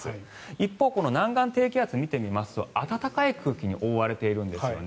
一方この南岸低気圧を見てみますと暖かい空気に覆われているんですよね。